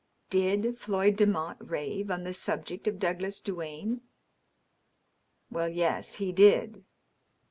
Did Floyd Demotte rave on the subject of Douglas Duane?" "Well, yes, he did."